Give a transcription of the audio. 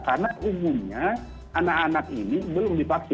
karena umumnya anak anak ini belum dipaksa